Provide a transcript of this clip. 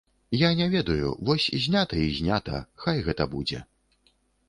Я не ведаю, вось знята і знята, хай гэта будзе.